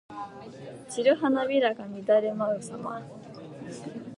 散る花びらが乱れ舞うさま。